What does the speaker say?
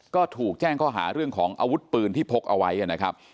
ก็ถูกแจ้งข้อหาเรื่องของอาวุธปืนที่พกเอาไว้นะครับ